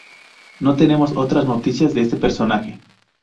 No tenemos otras noticias de este personaje.